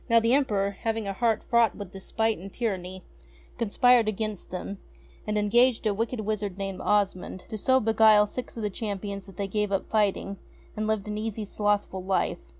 Now the Emperor, having a heart fraught with despite and tyranny, conspired against them, and en gaged a wicked wizard named Osmond to so beguile six of the Champions that they gave up fighting, and lived an easy slothful life.